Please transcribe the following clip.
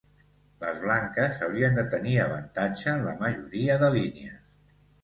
Les blanques haurien de tenir avantatge en la majoria de línies.